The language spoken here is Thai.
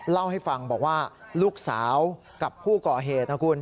เล่าให้ฟังบอกว่าลูกสาวกับผู้ก่อเหตุนะคุณ